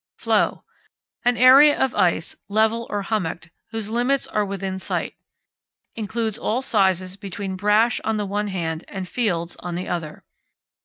Floe. An area of ice, level or hummocked, whose limits are within sight. Includes all sizes between brash on the one hand and fields on the other.